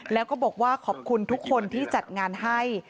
แล้วก็บอกว่าขอบคุณทุกคนที่จัดงานให้